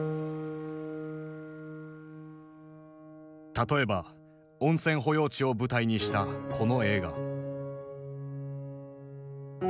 例えば温泉保養地を舞台にしたこの映画。